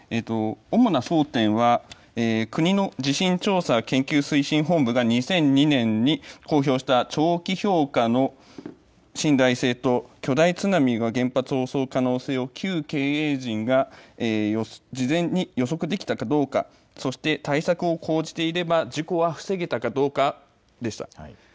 主な争点は、国の地震調査研究推進本部が２００２年に公表した長期評価の信頼性と、巨大津波が原発を襲う可能性を旧経営陣が事前に予測できたかどうか、そして、対策を講じていれば、事故は防げたかどうかでした。